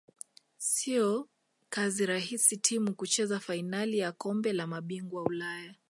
siyo kazi rahis timu kucheza fainali ya kombe la mabingwa ulaya